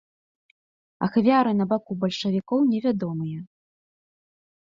Ахвяры на баку бальшавікоў невядомыя.